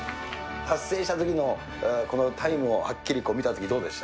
達成したときの、このタイムをはっきり見たとき、どうでした？